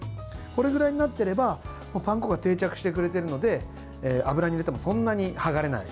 これぐらいになっていればパン粉が定着してくれているので油に入れてもそんなにはがれない。